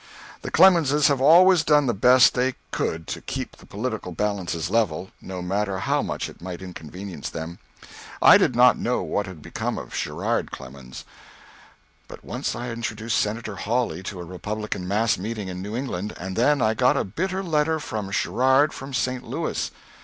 The Clemenses have always done the best they could to keep the political balances level, no matter how much it might inconvenience them. I did not know what had become of Sherrard Clemens; but once I introduced Senator Hawley to a Republican mass meeting in New England, and then I got a bitter letter from Sherrard from St. Louis.